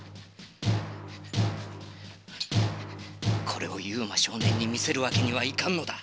これをユウマ少年に見せるわけにはいかんのだ。